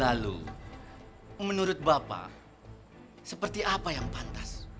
lalu menurut bapak seperti apa yang pantas